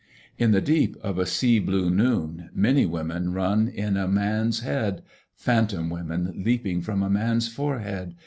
In the deep of a sea blue noon many women run in a man's bead, phantom women leaping from a man's forehead